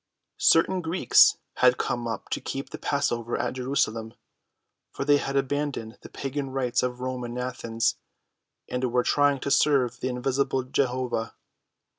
Certain Greeks had come up to keep the passover at Jerusalem, for they had abandoned the pagan rites of Rome and Athens, and were trying to serve the invisible Jehovah.